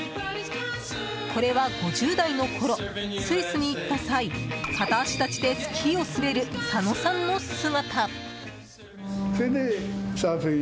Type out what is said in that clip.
これは５０代のころスイスに行った際片足立ちでスキーを滑る佐野さんの姿。